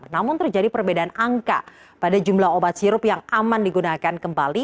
namun terjadi perbedaan angka pada jumlah obat sirup yang aman digunakan kembali